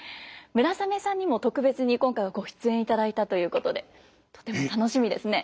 村雨さんにも特別に今回はご出演いただいたということでとても楽しみですね。